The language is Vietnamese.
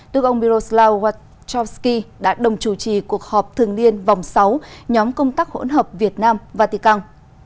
được ông miroslav wachowski đã đồng chủ trì cuộc họp thường niên vòng sáu nhóm công tác hỗn hợp việt nam vatican